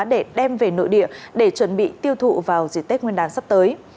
để đem về nội địa để chuẩn bị tiêu thụ vào dịp tết nguyên đán sắp tới